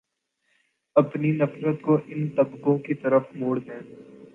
اپنی نفرت کو ان طبقوں کی طرف موڑ دیں